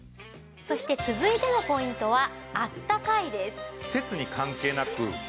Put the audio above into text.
そして続いてのポイントは「あたたかい」です。